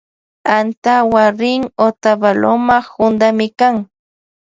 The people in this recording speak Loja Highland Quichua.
Antawu rin otavaloma juntamikan.